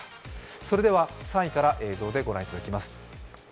それでは３位から映像でご覧いただきます。